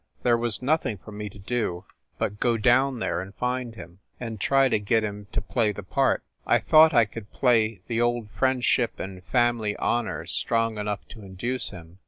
There was nothing for me to do but go 228 FIND THE WOMAN down there and find him, and try to get him to play the part. I thought I could play the old friendship and family honor strong enough to induce him.